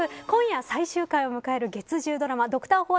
今夜最終回を迎える月１０ドラマドクター